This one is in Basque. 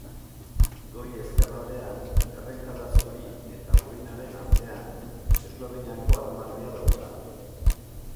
Goi-ezkerraldean, errenkada zuri eta urdinaren artean, Esloveniako armarria dauka.